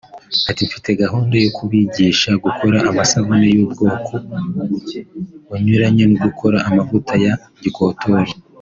Ati “Mfite gahunda yo kubigisha gukora amasabune y’ubwoko bunyuranye no gukora amavuta ya gikotoro